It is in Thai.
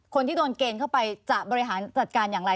คนที่โดนเกณฑ์เข้าไปจะบริหารจัดการอย่างไร